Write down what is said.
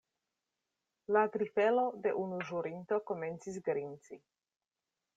La grifelo de unu ĵurinto komencis grinci.